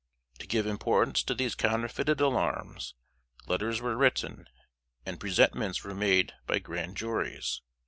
To give importance to these counterfeited alarms, letters were written, and presentments were made by Grand Juries.